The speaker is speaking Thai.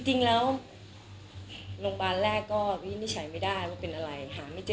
จริงแล้วโรงพยาบาลแรกก็วินิจฉัยไม่ได้ว่าเป็นอะไรหาไม่เจอ